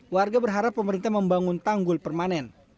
warga berharap pemerintah membangun tanggul permanen